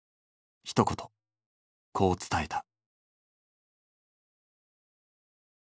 ひと言こう伝えた。